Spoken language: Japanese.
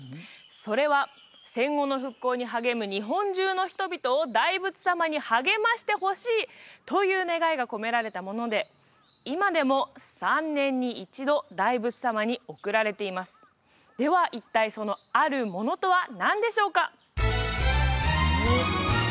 それは戦後の復興に励む日本中の人々を大仏様に励ましてほしいという願いが込められたもので今でも３年に一度大仏様に贈られていますでは一体そのあるものとは何でしょうか？